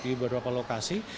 di beberapa lokasi